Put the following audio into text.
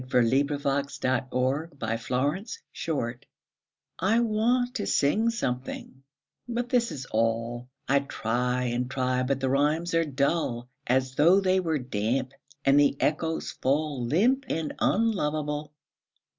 A SCRAWL I want to sing something but this is all I try and I try, but the rhymes are dull As though they were damp, and the echoes fall Limp and unlovable.